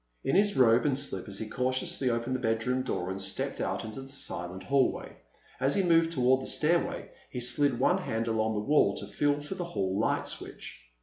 In his robe and slippers he cautiously opened the bedroom door and stepped out into the silent hallway. As he moved toward the stairway he slid one hand along the wall to feel for the hall light switch.